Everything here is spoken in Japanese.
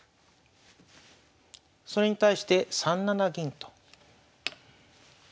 それに対して３七銀と。